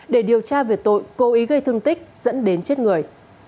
để điều tra về tội cố ý gây thương tích dẫn đến chết người